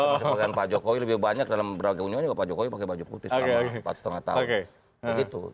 masih pakaian pak jokowi lebih banyak dalam beragam ini pak jokowi pakai baju putih selama empat lima tahun